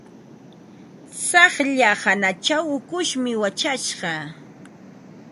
Tsaqlla hanachaw ukushmi wachashqa.